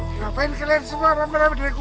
kenapa kalian semua lama lama dikubur